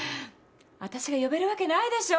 わたしが呼べるわけないでしょ